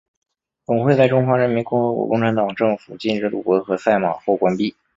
总会在中华人民共和国共产党政府禁止赌博和赛马后关闭。